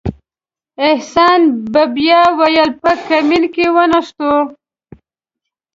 احسان به بیا ویل په کمین کې ونښتو.